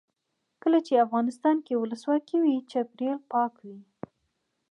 کله چې افغانستان کې ولسواکي وي چاپیریال پاک وي.